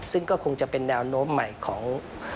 ซึ่งก็คงจะเป็นแนวโน้มใหม่ของ